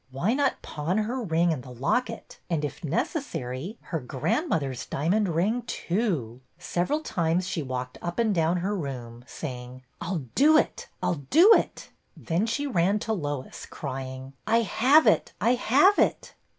Why not pawn her ring and the locket and — if necessary — her grandmother's diamond ring, too? Several times she walked up and down her room, say ing, "I 'll do it ! I 'll do it !" Then she ran to Lois, crying: ''I have it! I have it!"